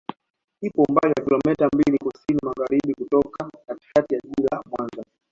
Ipo umbali wa kilomita mbili kusini magharibi kutoka katikati ya jiji la Mwanza